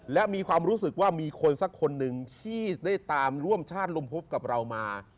และมีความรู้สึกว่ามีคนสักคนหนึ่งที่ได้ตามร่วมชาติลุมพบกับเรามา